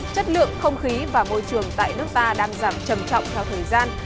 chất lượng không khí và môi trường tại nước ta đang giảm trầm trọng theo thời gian